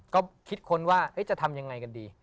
ก็คิดค้นว่าจะทำยังไงกันดี